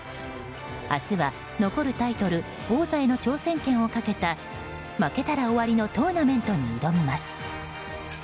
明日は、残るタイトル王座への挑戦権をかけた負けたら終わりのトーナメントに挑みます。